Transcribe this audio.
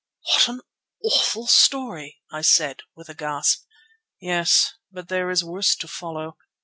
"What an awful story!" I said with a gasp. "Yes, but there is worse to follow.